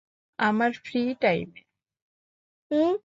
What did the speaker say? আমার ফ্রি টাইমে?